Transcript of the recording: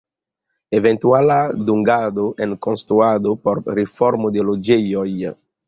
Eventuala dungado en konstruado por reformo de loĝejoj.